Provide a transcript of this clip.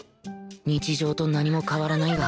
日常と何も変わらないが